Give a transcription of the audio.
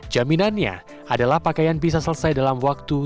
jaminannya adalah pakaian bisa selesai dalam waktu